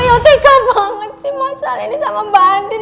ayo tega banget sih masalah ini sama mbak adin